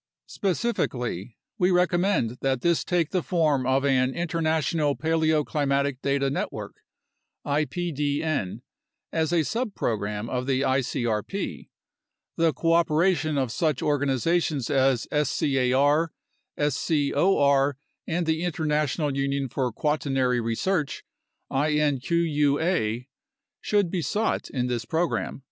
Specifically, we recommend that this take the form of an International Paleoclimatic Data Network (ipdn), as a 108 UNDERSTANDING CLIMATIC CHANGE subprogram of the icrp. The cooperation of such organizations as scar, scor, and the International Union for Quaternary Research (inqua) should be sought in this program.